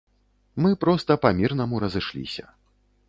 Мы проста па мірнаму разышліся.